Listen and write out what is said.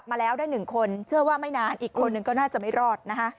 มาแล้วได้๑คนเชื่อว่าไม่นานอีกคนหนึ่งก็น่าจะไม่รอดนะคะ